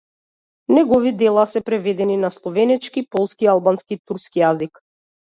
Негови дела се преведени на словенечки, полски, албански и турски јазик.